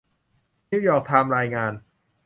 นิวยอร์กไทม์รายงาน